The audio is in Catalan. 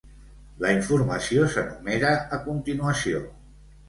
La informació s'enumera a continuació.